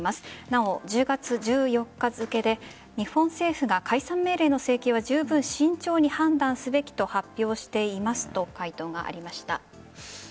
なお１０月１４日付で日本政府が解散命令の請求はじゅうぶん慎重に判断すべきと発表していますと回答がありました。